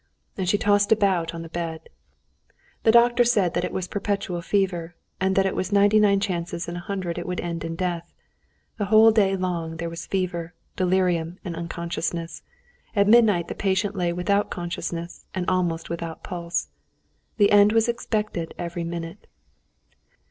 And she tossed about on the bed. The doctors said that it was puerperal fever, and that it was ninety nine chances in a hundred it would end in death. The whole day long there was fever, delirium, and unconsciousness. At midnight the patient lay without consciousness, and almost without pulse. The end was expected every minute.